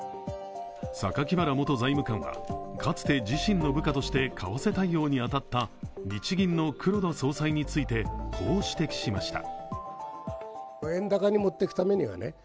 榊原元財務官は、かつて自身の部下として為替対応に当たった日銀の黒田総裁についてこう指摘しました。